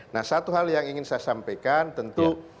nah satu hal yang ingin saya sampaikan tentu